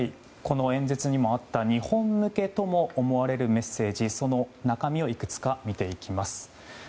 この演説にもあった日本向けとも思われるメッセージの中身を見ていきます。